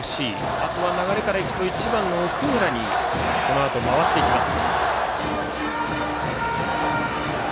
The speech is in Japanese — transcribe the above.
あとは流れから行くと１番の奥村にこのあと回っていきます。